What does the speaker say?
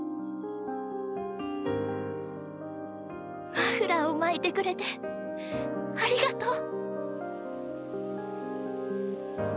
マフラーを巻いてくれてありがとう。